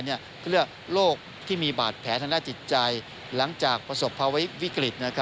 เขาเรียกโรคที่มีบาดแผลทางด้านจิตใจหลังจากประสบภาวะวิกฤต